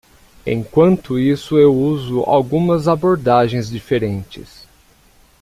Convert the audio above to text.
Enquanto isso,? eu uso algumas abordagens diferentes.